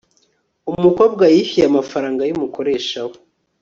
umukobwa yishyuye amafaranga yumukoresha we